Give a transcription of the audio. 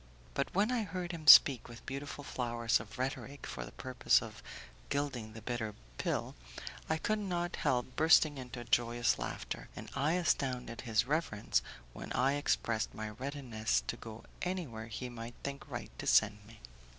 But when I heard him speak with beautiful flowers of rhetoric for the purpose of gilding the bitter pill, I could not help bursting into a joyous laughter, and I astounded his reverence when I expressed my readiness to go anywhere he might think right to send me.